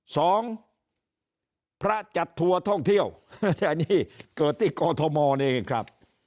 สองพระจัดทัวร์ท่องเที่ยวอันนี้เกิดที่กอทมนี่เองครับ